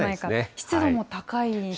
湿度も高い日が。